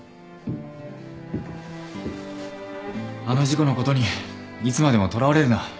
あの事故のことにいつまでもとらわれるな。